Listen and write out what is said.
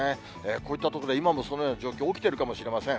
こういった所で今もそのような状況、起きてるかもしれません。